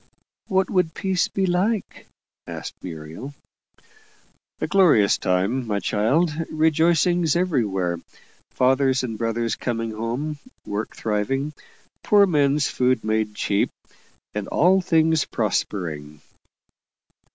"What would peace be like?" asked Muriel. "A glorious time, my child rejoicings everywhere, fathers and brothers coming home, work thriving, poor men's food made cheap, and all things prospering."